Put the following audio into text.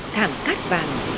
thảm cát vàng